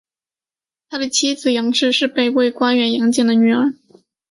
他的妻子杨氏是北魏官员杨俭的女儿。